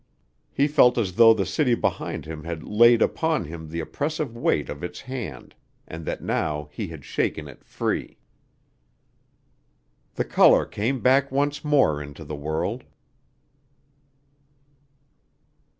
He felt as though the city behind him had laid upon him the oppressive weight of its hand and that now he had shaken it free. The color came back once more into the world.